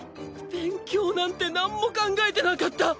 勉強なんてなんも考えてなかった！